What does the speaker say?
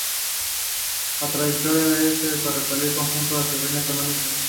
La trayectoria de este ferrocarril condujo a su ruina económica.